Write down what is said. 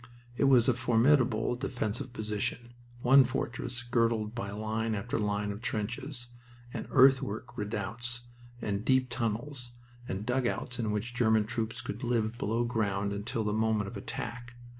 It was a formidable defensive position, one fortress girdled by line after line of trenches, and earthwork redoubts, and deep tunnels, and dugouts in which the German troops could live below ground until the moment of attack.